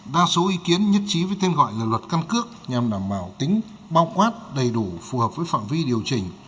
đa số ý kiến nhất trí với tên gọi là luật căn cước nhằm đảm bảo tính bao quát đầy đủ phù hợp với phạm vi điều chỉnh